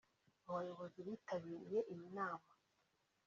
Mu bayobozi bitabiriye iyi nama